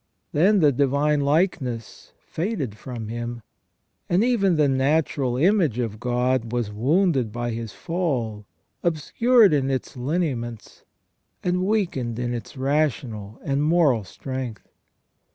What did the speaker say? Then the divine likeness faded from him, and even the natural image of God was wounded by his fall, obscured in its lineaments, and weakened in its rational and moral strength.